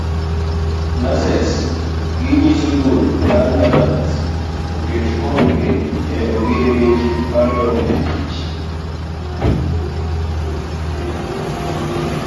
Nurses ginyiso duol mar governors oket kokgi e ogirimiti mar dok etich.